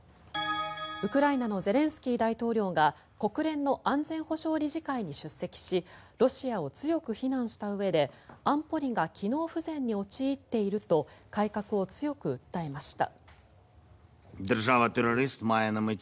ウクライナのゼレンスキー大統領が国連の安全保障理事会に出席しロシアを強く非難したうえで安保理が機能不全に陥っていると改革を強く訴えました。